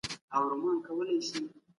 هیوادونه ولي د بیان ازادي خوندي کوي؟